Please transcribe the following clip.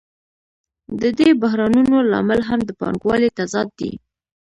د دې بحرانونو لامل هم د پانګوالۍ تضاد دی